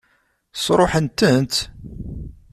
Sṛuḥen-tent?